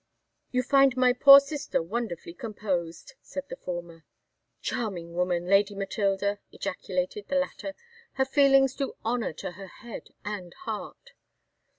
"You find my poor sister wonderfully composed," said the former. "Charming woman, Lady Matilda!" ejaculated the latter; "her feelings do honour to her head and heart!"